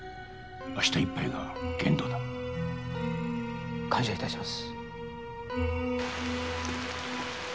明日いっぱいが限度だ。感謝致します。